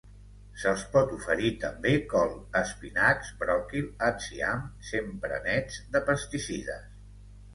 Se'ls pot oferir també col, espinacs, bròquil, enciam, sempre nets de pesticides.